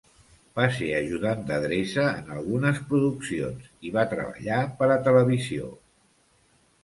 Va ser ajudant d'adreça en algunes produccions i va treballar per a televisió.